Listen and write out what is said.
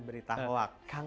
menyebarkan berita hoak